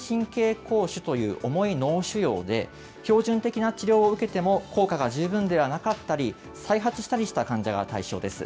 こう腫という重い脳腫瘍で、標準的な治療を受けても効果が十分ではなかったり、再発したりした患者が対象です。